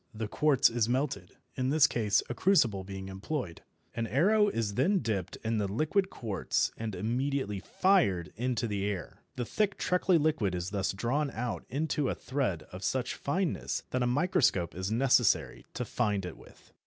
The quartz is melted, in this case a crucible being employed. An arrow is then dipped in the liquid quartz and immediately "fired" into the air. The thick treacly liquid is thus drawn out into a thread of such fineness that a microscope is necessary to find it with.